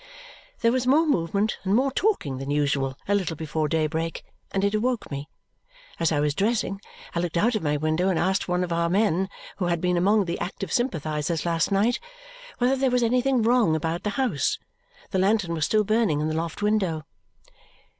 There was more movement and more talking than usual a little before daybreak, and it awoke me. As I was dressing, I looked out of my window and asked one of our men who had been among the active sympathizers last night whether there was anything wrong about the house. The lantern was still burning in the loft window.